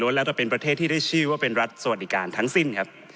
แล้วแต่เป็นประเทศที่ได้ชื่อว่าเป็นรัฐสวัสดิการทั้งสิ้นครับ